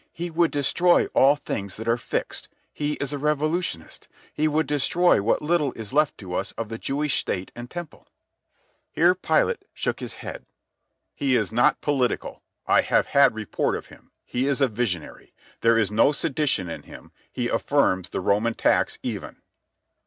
He would destroy all things that are fixed. He is a revolutionist. He would destroy what little is left to us of the Jewish state and Temple." Here Pilate shook his head. "He is not political. I have had report of him. He is a visionary. There is no sedition in him. He affirms the Roman tax even."